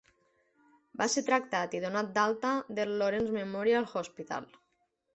Va ser tractat i donat d'alta del Lawrence Memorial Hospital.